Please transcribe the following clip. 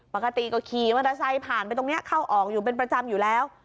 ปกติก็ขี่มอเตอร์ไซค์ผ่านไปตรงนี้เข้าออกอยู่เป็นประจำอยู่แล้ว